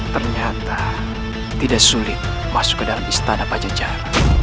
ternyata tidak sulit masuk ke dalam istana pajajar